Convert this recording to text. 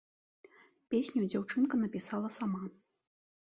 Песню дзяўчынка напісала сама.